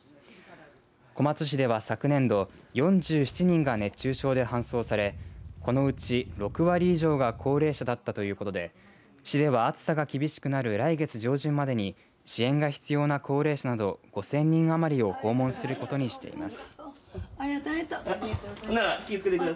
小松市では昨年度４７人が熱中症で搬送されこのうち６割以上が高齢者だったということで市では暑さが厳しくなる来月上旬までに支援が必要な高齢者など５０００人余りを訪問することにしています。